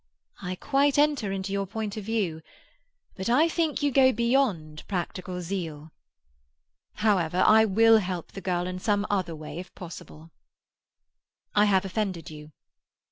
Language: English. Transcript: "I quite enter into your point of view, but I think you go beyond practical zeal. However, I will help the girl in some other way, if possible." "I have offended you."